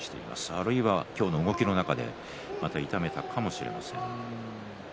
あるいは今日の動きの中でまた痛めたかもしれません。